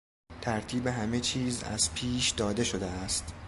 ترتیب همه چیز از پیش داده شده است.